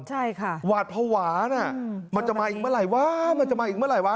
ใช่ค่ะหวาดภาวะน่ะมันจะมาอีกเมื่อไหร่วะมันจะมาอีกเมื่อไหวะ